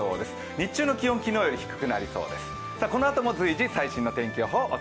日中の気温、昨日より低くなりそうです。